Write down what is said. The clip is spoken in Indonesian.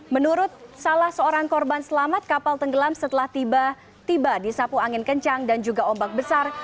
menurut salah seorang korban selamat kapal tenggelam setelah tiba di sapu angin kencang dan juga ombak besar